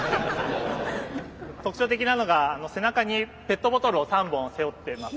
特徴的なのが背中にペットボトルを３本背負っています。